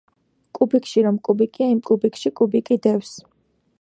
კუბიკში რომ კუბიკია, იმ კუბიკში კუბიკი დევს.